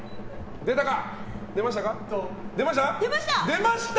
出ました！